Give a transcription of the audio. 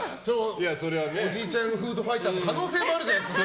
おじいちゃんフードファイターの可能性もあるじゃないですか。